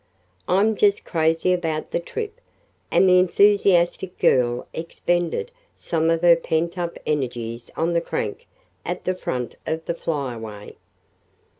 I'm just crazy about the trip," and the enthusiastic girl expended some of her pent up energies on the crank at the front of the Flyaway.